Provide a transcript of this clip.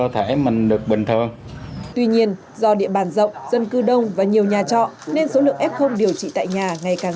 tuy nhiên do địa bàn rộng dân cư đông và nhiều nhà trọ nên số lượng f điều trị tại nhà ngày càng